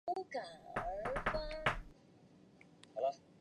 秦南琴是武侠小说作家金庸笔下的其中一个角色。